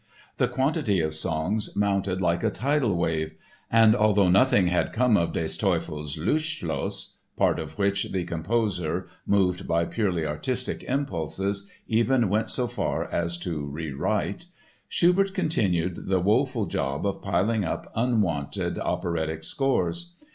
The quantity of songs mounted like a tidal wave. And although nothing had come of Des Teufels Lustschloss (part of which the composer, moved by purely artistic impulses, even went so far as to rewrite), Schubert continued the woeful job of piling up unwanted operatic scores.